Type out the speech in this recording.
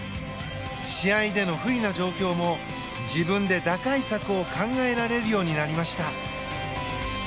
試合での不利な状況も自分で打開策を考えられるようになりました。